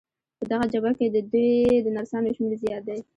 په دغه جبهه کې د دوی د نرسانو شمېر زیات دی.